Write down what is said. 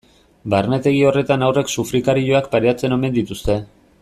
Barnetegi horretan haurrek sufrikarioak pairatzen omen dituzte.